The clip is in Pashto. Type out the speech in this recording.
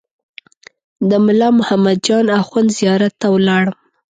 د ملا محمد جان اخوند زیارت ته ولاړم.